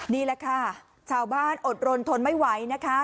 นี่แหละค่ะชาวบ้านอดรนทนไม่ไหวนะคะ